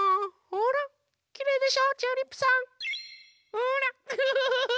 ほらウフフフフ！